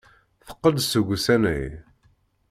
Teqqel-d seg usanay.